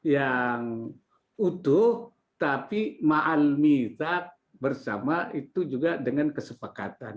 yang utuh tapi ma'al mitaq bersama itu juga dengan kesepakatan